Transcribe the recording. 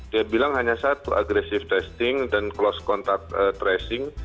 dia bilang hanya satu agresif testing dan close contact tracing